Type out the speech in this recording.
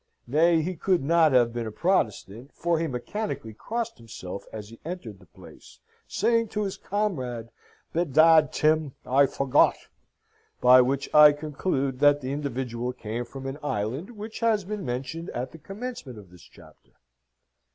Nay, he could not have been a Protestant, for he mechanically crossed himself as he entered the place, saying to his comrade, "Bedad, Tim, I forgawt!" by which I conclude that the individual came from an island which has been mentioned at the commencement of this chapter.